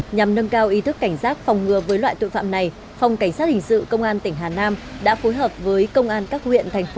nhằm nâng cao ý thức cảnh giác phòng ngừa với loại tội phạm này phòng cảnh sát hình sự công an tỉnh hà nam đã phối hợp với công an các huyện thành phố